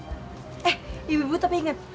eh ibu ibu tapi inget